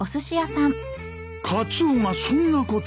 カツオがそんなことを？